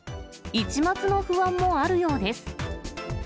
一抹の不安もあるようです。